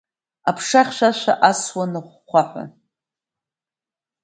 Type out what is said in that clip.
Аԥша хьшәашәа асуан ахәхәаҳәа.